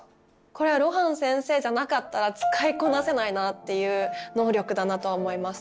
これは露伴先生じゃなかったら使いこなせないなっていう「能力」だなとは思います。